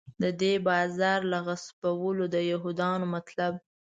د دې بازار له غصبولو د یهودانو مطلب.